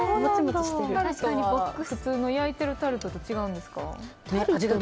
普通の焼いてるタルトと違うんですか？